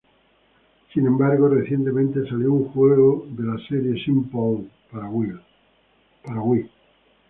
Sin embargo recientemente salió un juego de la "Serie Simple" para Wii.